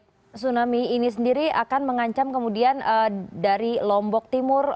tsunami ini sendiri akan mengancam kemudian dari lombok timur